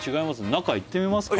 中行ってみますか？